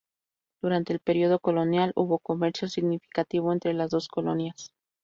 Durante el período colonial, hubo comercio significativo entre las dos colonias.